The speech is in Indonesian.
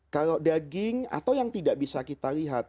kalau daging atau yang tidak bisa kita lihat